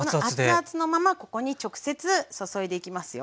熱々のままここに直接注いでいきますよ。